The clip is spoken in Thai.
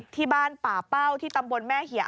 ที่บ้านป่าเป้าที่ตำบลแม่เหี่ย